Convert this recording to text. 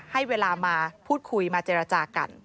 ให้เวลามาพูดคุยมาเจรจากัน